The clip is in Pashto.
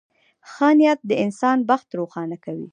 • ښه نیت د انسان بخت روښانه کوي.